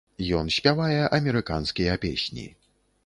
Ён спявае амерыканскія песні.